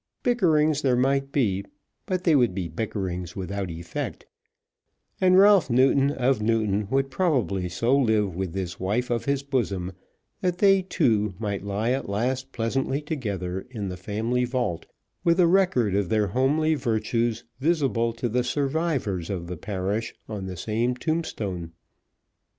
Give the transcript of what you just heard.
Bickerings there might be, but they would be bickerings without effect; and Ralph Newton, of Newton, would probably so live with this wife of his bosom, that they, too, might lie at last pleasantly together in the family vault, with the record of their homely virtues visible to the survivors of the parish on the same tombstone.